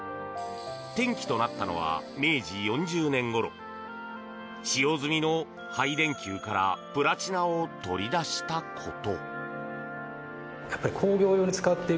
転機となったのは明治４０年ごろ使用済みの廃電球からプラチナを取り出したこと。